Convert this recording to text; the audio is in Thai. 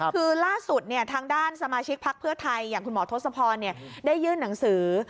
คือล่าสุดทางด้านสมาชิกพักเพื่อไทยอย่างคุณหมอทศพรได้ยื่นหนังสือ